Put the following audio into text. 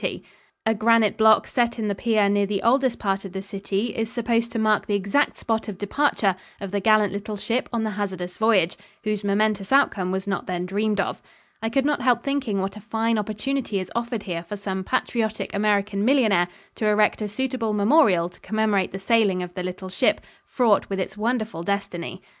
A granite block set in the pier near the oldest part of the city is supposed to mark the exact spot of departure of the gallant little ship on the hazardous voyage, whose momentous outcome was not then dreamed of. I could not help thinking what a fine opportunity is offered here for some patriotic American millionaire to erect a suitable memorial to commemorate the sailing of the little ship, fraught with its wonderful destiny.